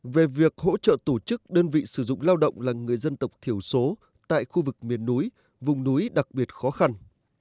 về việc hỗ trợ tổ chức đơn vị sử dụng lao động là người dân tộc thiểu số tại khu vực miền núi vùng núi đặc biệt khó khăn